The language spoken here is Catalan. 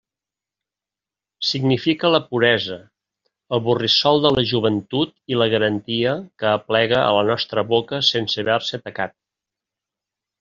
Significa la puresa, el borrissol de la joventut i la garantia que aplega a la nostra boca sense haver-se tacat.